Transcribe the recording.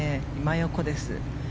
真横です。